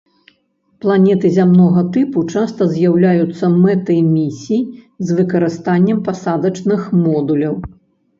Планеты зямнога тыпу часта з'яўляюцца мэтай місій з выкарыстаннем пасадачных модуляў.